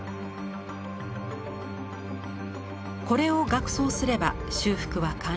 これを額装すれば修復は完了。